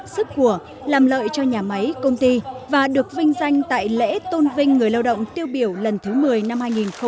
sức của làm lợi cho nhà máy công ty và được vinh danh tại lễ tôn vinh người lao động tiêu biểu lần thứ một mươi năm hai nghìn một mươi chín